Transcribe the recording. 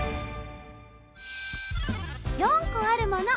・４こあるもの